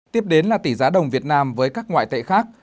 tiếp đến là tỷ giá đồng việt nam với các ngoại tệ khác